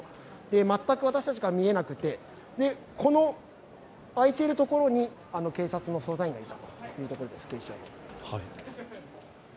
全く私たちから見えなくて、この空いてるところに警察の捜査員がいたというところです。